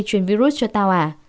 mày chuyên virus cho tao à